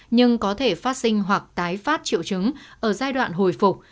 nhưng có thể phát sinh hoặc tái phát triệu chứng ở giai đoạn hồi phục